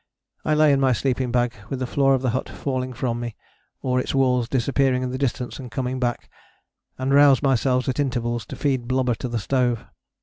I lay in my sleeping bag with the floor of the hut falling from me, or its walls disappearing in the distance and coming back: and roused myself at intervals to feed blubber to the stove.